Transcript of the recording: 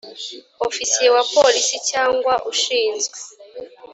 ofisiye wa polisi cyangwa ushinzwe